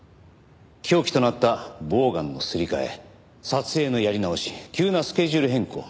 凶器となったボウガンのすり替え撮影のやり直し急なスケジュール変更。